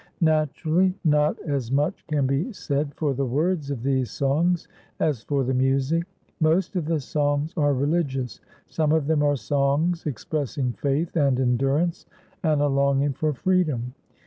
Naturally, not as much can be said for the words of these songs as for the music. Most of the songs are religious. Some of them are songs expressing faith and endurance and a longing for freedom.